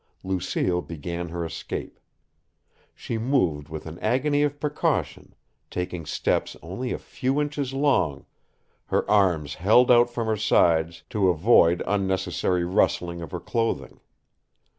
Lucille began her escape. She moved with an agony of precaution, taking steps only a few inches long, her arms held out from her sides to avoid unnecessary rustling of her clothing.